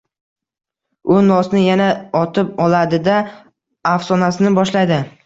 U nosni yana otib oladi-da, afsonasini boshlaydi.